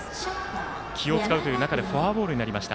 気を使うという中でフォアボールになりました。